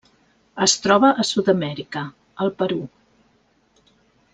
Es troba a Sud-amèrica: el Perú.